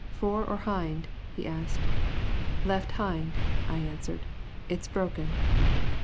"Fore or hind?" he asked. "Left hind," I answered; "it's broken."